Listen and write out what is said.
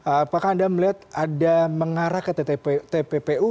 apakah anda melihat ada mengarah ke tppu